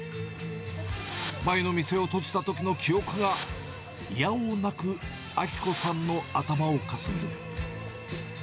前の店を閉じたときの記憶が否応なく明子さんの頭をかすめる。